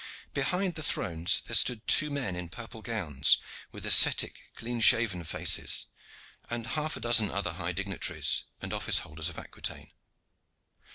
Behind the thrones there stood two men in purple gowns, with ascetic, clean shaven faces, and half a dozen other high dignitaries and office holders of Aquitaine.